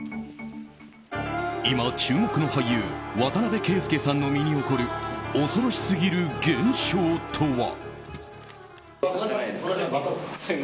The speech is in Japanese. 今、注目の俳優渡邊圭祐さんの身に起こる恐ろしすぎる現象とは。